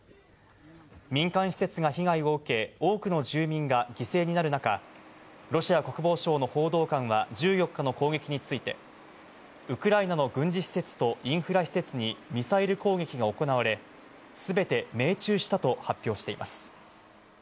民間施設が被害を受け、多くの住民が犠牲になる中、ロシア国防省の報道官は１４日の攻撃について、ウクライナの軍事施設とインフラ施設にミサイル攻撃が行われ、すべて命中したと発表しています。